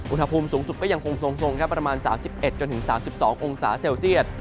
อุณหภูมิสูงสุดก็ยังคงทรงครับประมาณ๓๑๓๒องศาเซลเซียต